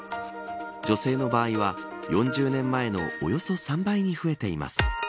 女性の場合は４０年前のおよそ３倍に増えています。